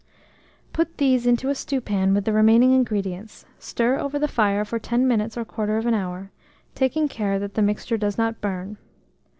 Put these into a stewpan with the remaining ingredients, stir over the fire for 10 minutes or 1/4 hour, taking care that the mixture does not burn.